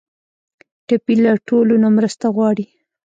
ټپي له ټولو نه مرسته غواړي.